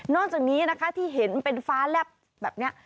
จากนี้นะคะที่เห็นเป็นฟ้าแลบแบบนี้